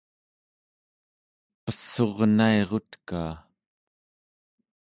pessurnairutkaa